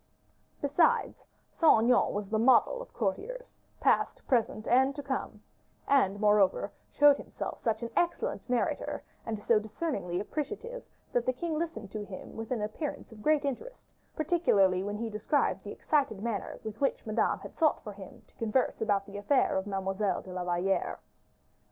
Besides, Saint Aignan was the model of courtiers, past, present, and to come; and, moreover, showed himself such an excellent narrator, and so discerningly appreciative that the king listened to him with an appearance of great interest, particularly when he described the excited manner with which Madame had sought for him to converse about the affair of Mademoiselle de la Valliere.